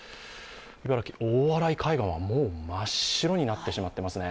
茨城・大洗海岸は、もう真っ白になってしまっていますね。